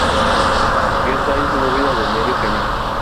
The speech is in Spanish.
La cubierta es de bóveda de medio cañón.